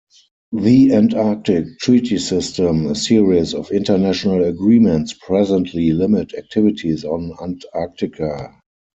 The Antarctic Treaty System, a series of international agreements, presently limit activities on Antarctica.